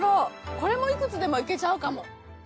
これもいくつでもいけちゃうかも。